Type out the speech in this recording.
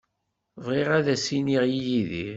Bɣiɣ ad as-iniɣ i Yidir.